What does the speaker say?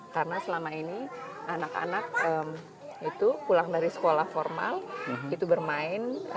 karena selama ini anak anak itu pulang dari sekolah formal itu bermain